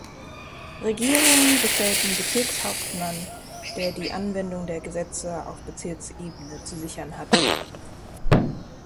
Regierung bestellten Bezirkshauptmann, der die Anwendung der Gesetze auf Bezirksebene zu sichern hatte.